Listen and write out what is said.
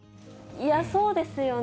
いや、そうですよね。